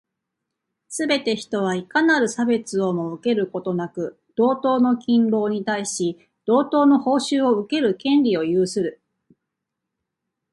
すべて人は、いかなる差別をも受けることなく、同等の勤労に対し、同等の報酬を受ける権利を有する。